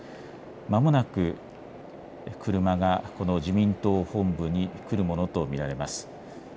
まもなく車がこの自民党本部に来るものと見られます。